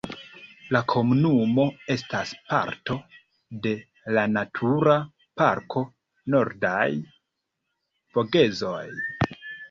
La komunumo estas parto de la Natura Parko Nordaj Vogezoj.